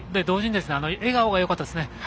同時に笑顔がよかったですね。